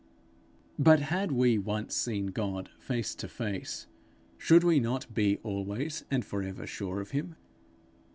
But had we once seen God face to face, should we not be always and for ever sure of him?